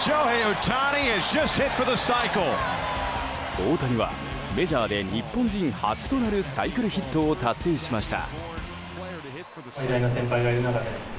大谷はメジャーで日本人初となるサイクルヒットを達成しました。